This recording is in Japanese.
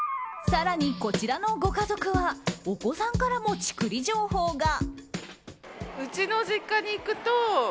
更に、こちらのご家族はお子さんからもチクり情報が。